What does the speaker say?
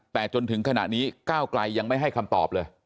แต่จนถึงขณะนี้ก้าวไกลยังไม่ให้คำตอบเลย